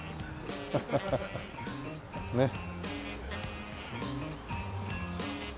ハハハハねっ。